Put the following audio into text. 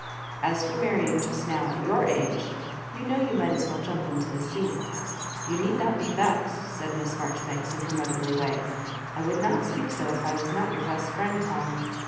As for marrying just now at your age, you know you might as well jump into the se& You need not be vexed," said MLss Maijoribanks in her motherly way. "I would not speak so if I was not your best friend, Tom.